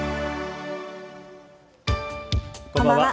こんばんは。